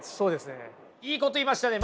いいこと言いましたね。